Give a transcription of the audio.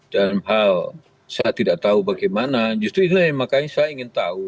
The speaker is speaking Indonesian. dan hal saya tidak tahu bagaimana justru itu yang makanya saya ingin tahu